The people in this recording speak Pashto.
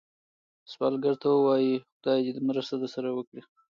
سوالګر ته ووايئ “خدای دې مرسته درسره وي”